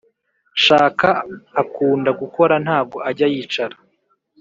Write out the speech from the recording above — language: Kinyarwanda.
shaka akunda gukora ntago ajya yicara